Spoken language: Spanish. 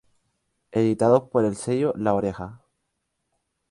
Editados por el sello La Oreja.